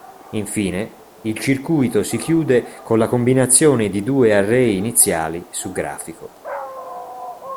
Infine, il circuito si chiude con la combinazione dei due array iniziali su grafico.